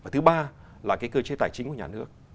thứ ba là cái cơ chế tài chính của nhà nước